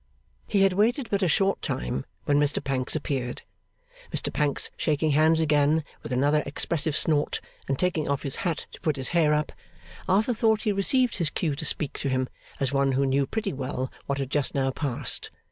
He had waited but a short time when Mr Pancks appeared. Mr Pancks shaking hands again with another expressive snort, and taking off his hat to put his hair up, Arthur thought he received his cue to speak to him as one who knew pretty well what had just now passed.